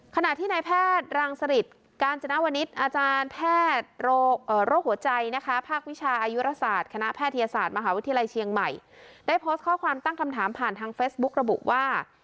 ขณะที่นายแพทย์รังสริตกาญจนวนิษฐ์อาจารย์แพทย์โรคหัวใจนะคะภาควิชาอายุรศาสตร์คณะแพทยศาสตร์มหาวิทยาลัยเชียงใหม่ได้โพสต์ข้อความตั้งคำถามผ่านทางเฟซบุ๊กระบุว่า